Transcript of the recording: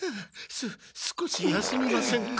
すっ少し休みませんか？